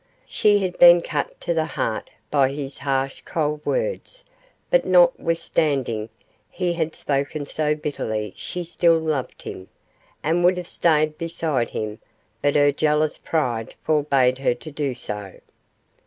She had been cut to the heart by his harsh cold words, but notwithstanding he had spoken so bitterly she still loved him, and would have stayed beside him, but her jealous pride forbade her to do so.